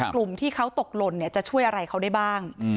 กลุ่มที่เขาตกหล่นจะช่วยอะไรเขาได้บ้าง